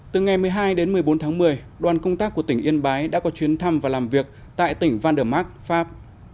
từ ngày một mươi hai đến một mươi bốn tháng một mươi đoàn công tác của tỉnh yên bái đã có chuyến thăm và làm việc tại tỉnh vander mark pháp